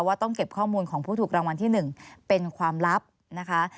ว่าต้องเก็บข้อมูลของผู้ถูกรางวัลที่๑เป็นความลับนะคะ